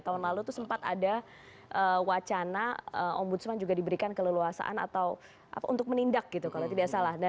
tahun lalu itu sempat ada wacana om budsman juga diberikan keleluasaan atau untuk menindak gitu kalau tidak salah